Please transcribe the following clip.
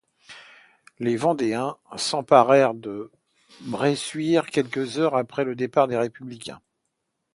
Les Vendéens s'emparèrent de Bressuire quelques heures après le départ des Républicains.